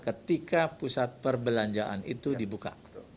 ketika pusat perbelanjaan itu dibuka